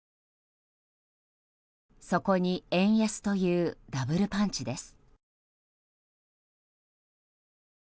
そこに円安というダブルパンチです。